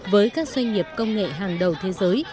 với các doanh nghiệp công nghệ hàng đầu thế giới